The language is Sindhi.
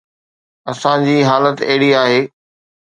اسان جي حالت اهڙي آهي.